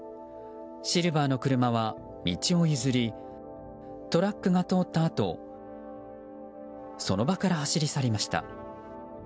シルバーの車は道を譲りトラックが通ったあとその場から走り去りました。